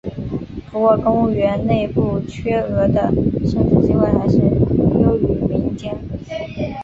不过公务员内部缺额的升职机会还是优于民间。